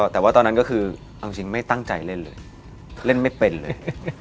แต่ว่าตอนนั้นก็คือเอาจริงไม่ตั้งใจเล่นเลยเล่นไม่เป็นเลย